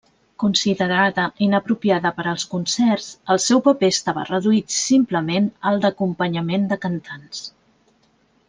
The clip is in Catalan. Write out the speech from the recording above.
Considerada inapropiada per als concerts, el seu paper estava reduït simplement al d'acompanyament de cantants.